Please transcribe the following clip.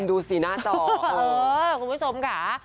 พี่ผู้ชมค่ะ